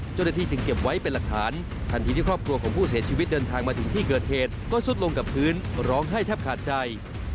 เจ้าหน้าที่จึงเก็บไว้เป็นหลักฐานทันทีที่ครอบครัวของผู้เสียชีวิตเดินทางมาถึงที่เกิดเหตุก็ซุดลงกับพื้นร้องไห้แทบขาดใจ